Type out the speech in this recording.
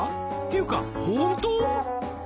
ていうか本当！？